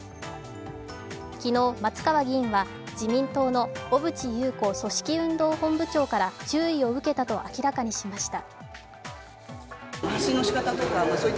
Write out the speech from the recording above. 昨日、松川議員は自民党の小渕優子組織運動本部長から注意を受けたと明らかにしました。